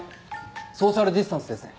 ソーシャルディスタンスですね。